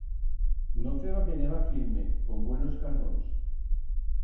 No feba que nevar firme, con buenos cardons.